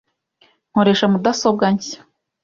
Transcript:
Nkoresha mudasobwa nshya .